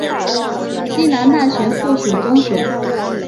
西南大学附属中学。